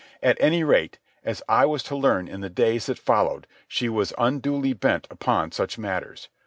At any rate, as I was to learn in the days that followed, she was unduly bent upon such matters.